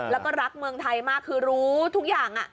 แล้วก็รักเมืองไทยมากคือรู้ทุกอย่าง